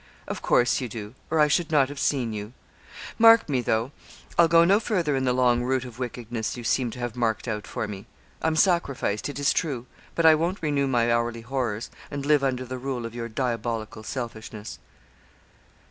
'Of course you do, or I should not have seen you. Mark me though, I'll go no further in the long route of wickedness you seem to have marked out for me. I'm sacrificed, it is true, but I won't renew my hourly horrors, and live under the rule of your diabolical selfishness.'